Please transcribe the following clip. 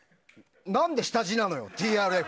何で下地なのよ、ＴＲＦ。